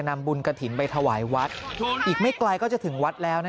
นำบุญกระถิ่นไปถวายวัดอีกไม่ไกลก็จะถึงวัดแล้ว